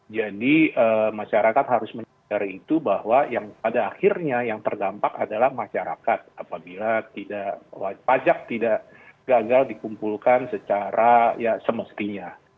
jadi masyarakat harus menyadari itu bahwa yang pada akhirnya yang terdampak adalah masyarakat apabila pajak tidak gagal dikumpulkan secara semestinya